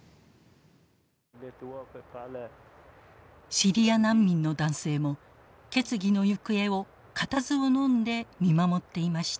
シリア難民の男性も決議の行方を固唾をのんで見守っていました。